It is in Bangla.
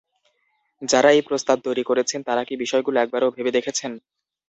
যাঁরা এই প্রস্তাব তৈরি করেছেন তাঁরা কি বিষয়গুলো একবারও ভেবেছেন?